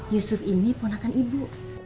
yusuf ini ponakan ibu